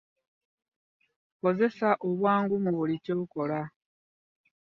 Kozesa obwangu mu buli kyokola.